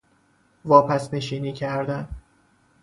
واپس نشینی کردن